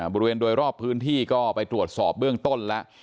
บริเวณโดยรอบพื้นที่ก็ไปตรวจสอบเบื้องต้นแล้ว